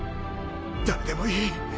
誰でもいい。